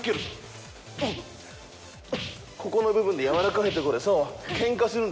ここの部分でやわらかいとこで。